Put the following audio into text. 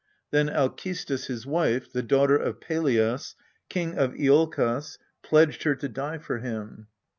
Then Alcestis his wife, the daughter of Pelias, King of lolkos, pledged her to die for him.